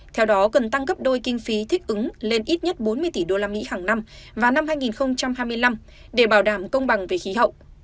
theo đó cần tăng gấp đôi kinh phí thích ứng lên ít nhất bốn mươi tỷ usd hàng năm vào năm hai nghìn hai mươi năm để bảo đảm công bằng về khí hậu